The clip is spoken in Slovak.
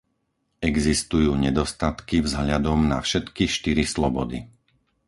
Existujú nedostatky vzhľadom na všetky štyri slobody.